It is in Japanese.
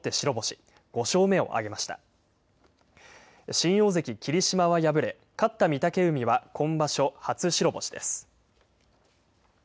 新大関・霧島は敗れ勝った御嶽海は今場所初白星です。